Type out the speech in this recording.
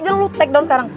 cel lu take down sekarang